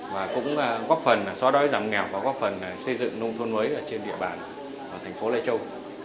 và cũng góp phần là xóa đói giảm nghèo và góp phần là xây dựng nông thôn mới trên địa bàn thành phố lê châu